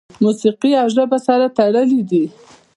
موسیقي او ژبه سره تړلي دي.